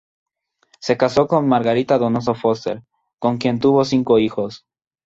Se casó con Margarita Donoso Foster, con quien tuvo cinco hijos.